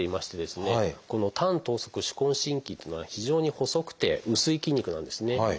この短橈側手根伸筋っていうのは非常に細くて薄い筋肉なんですね。